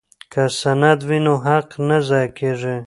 که سند وي نو حق نه ضایع کیږي.